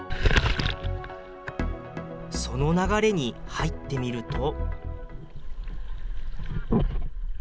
その流れに入ってみると。